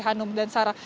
hanum dan sara